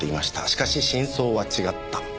しかし真相は違った。